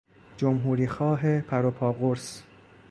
جمهوریخواه پروپا قرص